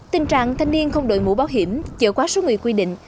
tình trạng thanh niên không đổi mũ báo hiểm chở quá số người quy định